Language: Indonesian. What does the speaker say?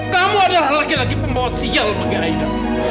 kamu adalah lagi lagi pembawa sial bagi aida